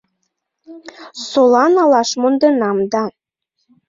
Сола налаш монденам да.